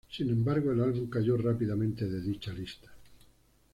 Sin embargo el álbum cayó rápidamente, de dicha lista.